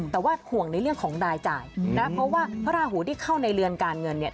แต่ว่าห่วงในเรื่องของรายจ่ายนะเพราะว่าพระราหูที่เข้าในเรือนการเงินเนี่ย